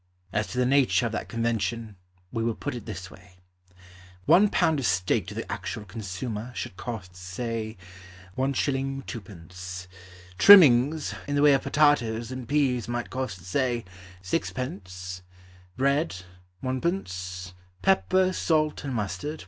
As to the nature of that convention We will put it this way: One pound of steak To the actual consumer Should cost, say, 1s. 2d. Trimmings In the way of potatoes and peas might cost, say, 6d., Bread, 1d., Pepper, salt, and mustard, 1d.